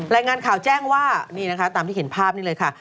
รายงานข่าวแจ้งว่านี่นะคะตามที่เห็นภาพนี้เลยค่ะ